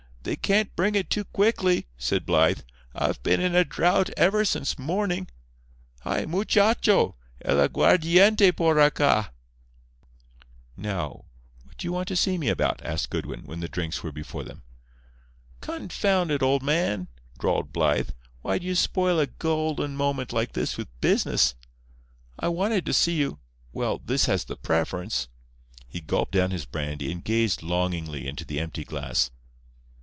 "They can't bring it too quickly," said Blythe. "I've been in a drought ever since morning. Hi—muchacho!—el aguardiente por acá." "Now, what do you want to see me about?" asked Goodwin, when the drinks were before them. "Confound it, old man," drawled Blythe, "why do you spoil a golden moment like this with business? I wanted to see you—well, this has the preference." He gulped down his brandy, and gazed longingly into the empty glass.